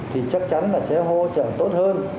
thì chắc chắn là sẽ hỗ trợ tốt hơn